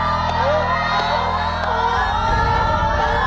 ถูก